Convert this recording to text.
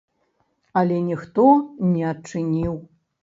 Але ніхто не адчыніў.